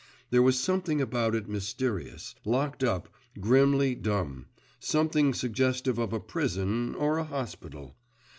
There was something about it mysterious, locked up, grimly dumb, something suggestive of a prison or a hospital.